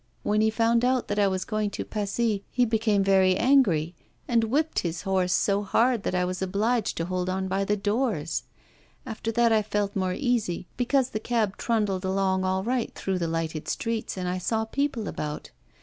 When he found out that I was going to Passy, he became very angry, and whipped his horse so hard that I was obliged to hold on by the doors. After that I felt more easy, because the cab trundled along all right through the lighted streets, and I saw people about.